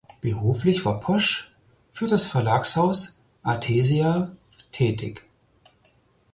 Beruflich war Posch für das Verlagshaus Athesia tätig.